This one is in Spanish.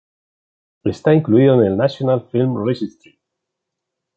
Está incluido en el National Film Registry.